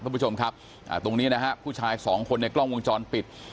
คุณผู้ชมครับตรงนี้นะฮะผู้ชายสองคนในกล้องวงจรปิด